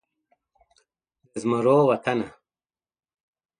د زمرو وطنه